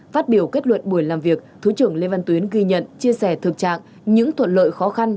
phát biểu kết luận buổi làm việc thứ trưởng lê văn tuyến ghi nhận chia sẻ thực trạng những thuận lợi khó khăn